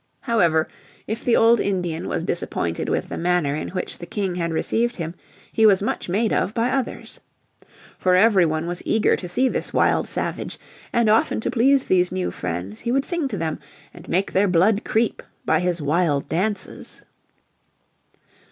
However if the old Indian was disappointed with the manner in which the King had received him he was much made of by others. For every one was eager to see this wild savage. And often to please these new friends he would sing to them and make their blood creep by his wild dances.